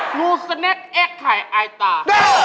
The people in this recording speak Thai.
หนูสเนคเอกไข่อายตา